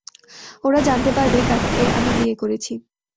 ওরা জানতে পারবে কাকে আমি বিয়ে করেছি।